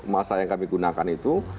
masa yang kami gunakan itu